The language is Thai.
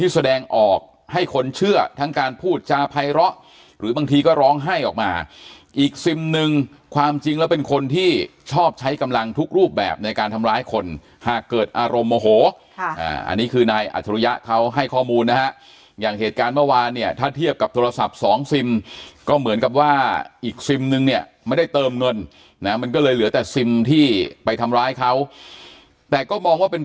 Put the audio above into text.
ซิมหนึ่งความจริงแล้วเป็นคนที่ชอบใช้กำลังทุกรูปแบบในการทำร้ายคนหากเกิดอารมณ์โอโหอ่อันนี้คือนายอัจฉริยะเขาให้ข้อมูลนะฮะอย่างเหตุการณ์เมื่อวานเนี่ยถ้าเทียบกับโทรศัพท์สองซิมก็เหมือนกับว่าอีกซิมหนึ่งเนี่ยไม่ได้เติมเงินนะมันก็เลยเหลือแต่ซิมที่ไปทำร้ายเขาแต่ก็มองว่